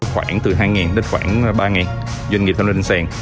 khoảng từ hai đến khoảng ba doanh nghiệp tham lên sàn